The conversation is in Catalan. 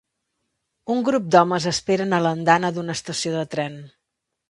Un grup d'homes esperen a l'andana d'una estació de tren.